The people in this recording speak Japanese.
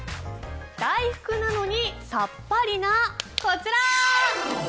大福なのにサッパリなこちら！